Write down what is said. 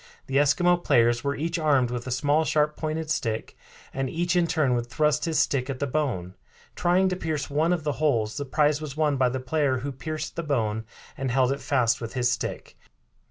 The Eskimo players were each armed with a small sharp pointed stick, and each in turn would thrust his stick at the bone, trying to pierce one of the holes. The prize was won by the player who pierced the bone and held it fast with his stick.